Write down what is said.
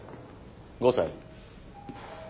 ５歳？